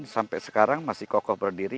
sampai sekarang masih kokoh berdiri